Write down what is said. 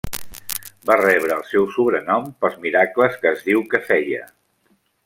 Va rebre el seu sobrenom pels miracles que es diu que feia.